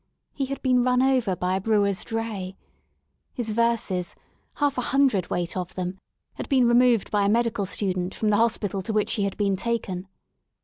He had been run over by a brewer's dray. His verses— half a hundred weight of them — had been removed by a medical student from the hospital to which he had been taken.